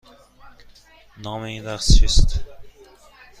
نام این رقص چیست؟